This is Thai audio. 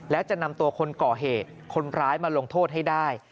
และจะนำตัวคนก่อเหตุคนร้ายมาลงโทษให้ได้